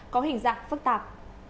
có hình dạng phức tạp